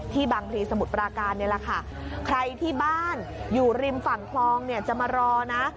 บางพลีสมุทรปราการนี่แหละค่ะใครที่บ้านอยู่ริมฝั่งคลองเนี่ยจะมารอนะ